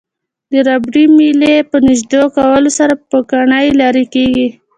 د ربړي میلې په نژدې کولو سره پوکڼۍ لرې کیږي.